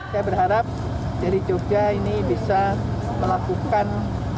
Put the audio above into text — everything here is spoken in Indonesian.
saya berharap dari jogja ini bisa melakukan